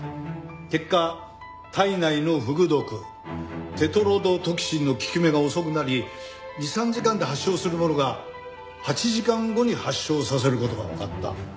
結果体内のフグ毒テトロドトキシンの効き目が遅くなり２３時間で発症するものが８時間後に発症させる事がわかった。